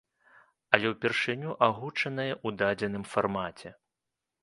Але ўпершыню агучаная ў дадзеным фармаце.